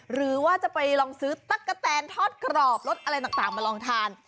หรือว่าจะไปลองซื้อตั๊กกะแตนทอดกรอบรสอะไรต่างมาลองทาน